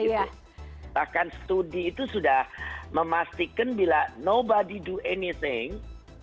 bahkan studi itu sudah memastikan bila nobody do anything